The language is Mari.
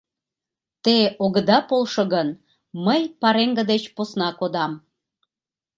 Те огыда полшо гын, мый пареҥге деч посна кодам...